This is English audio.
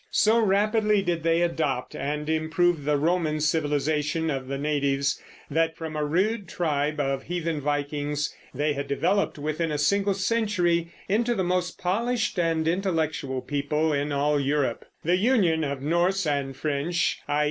So rapidly did they adopt and improve the Roman civilization of the natives that, from a rude tribe of heathen Vikings, they had developed within a single century into the most polished and intellectual people in all Europe. The union of Norse and French (i.